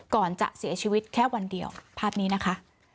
ก่อนจะเสียชีวิตแค่วันเดียวภาพนี้นะคะ